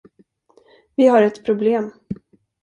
Vi har ett problem.